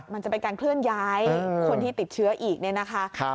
มันจะเป็นการเคลื่อนย้ายคนที่ติดเชื้ออีกเนี่ยนะคะ